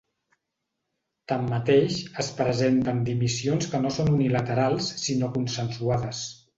Tanmateix, es presenten dimissions que no són unilaterals sinó consensuades.